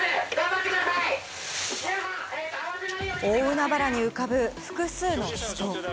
大海原に浮かぶ複数の人。